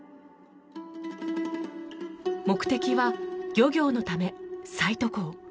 目的は漁業のため再渡航。